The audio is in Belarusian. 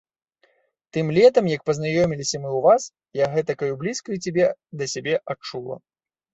Тым летам, як пазнаёміліся мы ў вас, я гэтакаю блізкаю цябе да сябе адчула.